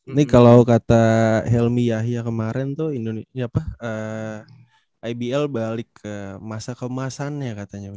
ini kalau kata helmi yahya kemarin tuh ibl balik ke masa kemasannya katanya